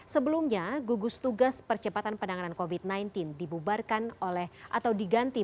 sebelumnya gugus tugas percepatan penanganan covid sembilan belas dibubarkan oleh atau diganti